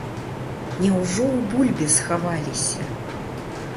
Няўжо ў бульбе схаваліся?